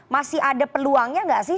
masih ada peluangnya nggak sih